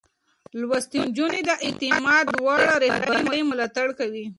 لوستې نجونې د اعتماد وړ رهبرۍ ملاتړ کوي.